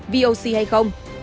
vì oc hay không